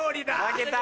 負けた。